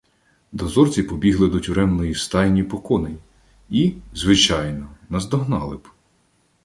Дозорці побігли до тюремної стайні по коней і, звичайно, наздогнали б.